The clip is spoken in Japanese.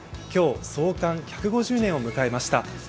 今日、創刊１５０年を迎えました。